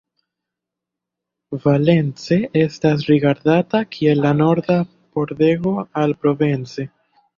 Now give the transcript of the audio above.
Valence estas rigardata kiel la norda pordego al Provence.